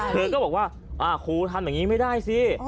เธอก็บอกว่าครูทำอย่างนี้ไม่ได้สิ